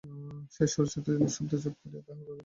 সেই সময়ে সুচরিতা নিঃশব্দপদে চুপ করিয়া তাঁহার কাছে আসিয়া বসিত।